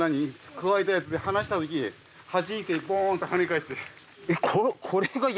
くわえたやつで離した時にはじいてポーンとはね返って。